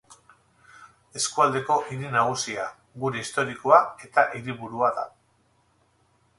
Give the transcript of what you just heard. Eskualdeko hiri nagusia, gune historikoa eta hiriburua da.